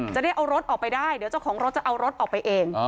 จะได้เอารถออกไปได้เดี๋ยวเจ้าของรถจะเอารถออกไปเอง